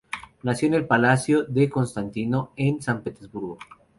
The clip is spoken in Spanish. Nació en el palacio de Constantino, en San Petersburgo.